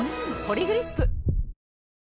「ポリグリップ」